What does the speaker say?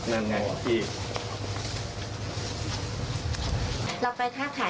อาการชัดเลยนะคะหมอปลา